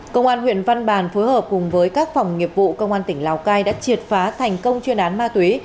công an huyện văn bàn phối hợp cùng với các phòng nghiệp vụ công an tỉnh lào cai đã triệt phá thành công chuyên án ma túy